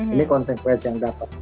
ini konsekuensi yang datang